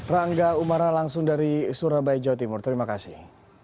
rangga umara langsung dari surabaya jawa timur terima kasih